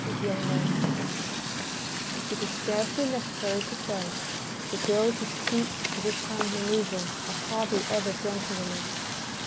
] It is scarcely necessary to say that girls who stoop to this kind of manœuvring are hardly ever gentlewomen.